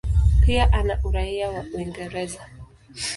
Pia ana uraia wa Uingereza.